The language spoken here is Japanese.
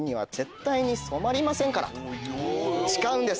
誓うんです。